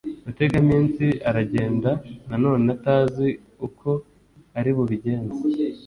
rutegaminsi aragenda na none atazi uko ari bubigenze